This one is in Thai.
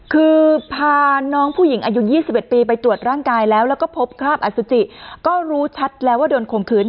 คือพาน้องผู้หญิงอายุ๒๑ปีไปตรวจร่างกายแล้วแล้วก็พบคราบอสุจิก็รู้ชัดแล้วว่าโดนข่มขืน